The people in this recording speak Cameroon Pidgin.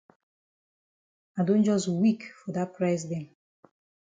I don jus weak for dat price dem.